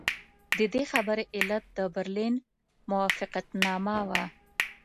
د دې خبرې علت د برلین موافقتنامه وه.